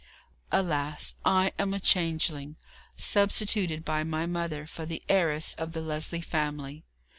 Alas! I am a changeling, substituted by my mother for the heiress of the Lesley family.